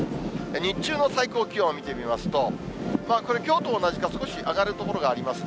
日中の最高気温を見てみますと、これきょうと同じか、少し上がる所がありますね。